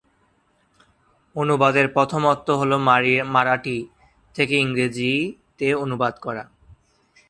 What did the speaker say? অনুবাদের প্রথম অর্থ হলো মারাঠি থেকে ইংরেজি তে অনুবাদ করা।